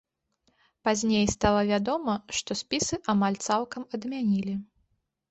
Пазней стала вядома, што спісы амаль цалкам адмянілі.